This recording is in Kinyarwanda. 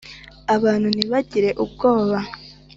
abantu ntibagire ubwoba.